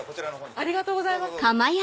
ありがとうございます。